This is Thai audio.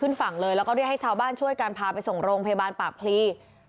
ฝั่งเลยแล้วก็เรียกให้ชาวบ้านช่วยกันพาไปส่งโรงพยาบาลปากพลี